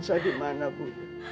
asa di mana bu